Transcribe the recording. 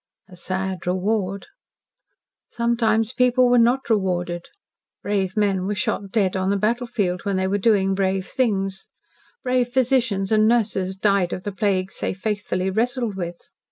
"A sad reward!" Sometimes people were not rewarded. Brave men were shot dead on the battlefield when they were doing brave things; brave physicians and nurses died of the plagues they faithfully wrestled with.